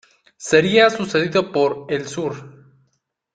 Sería sucedido por "El Sur".